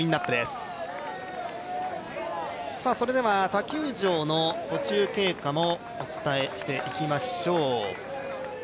他球場の途中経過もお伝えしていきましょう。